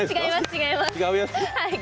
違います。